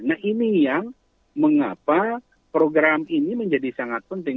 nah ini yang mengapa program ini menjadi sangat penting